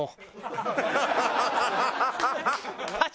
ハハハハ！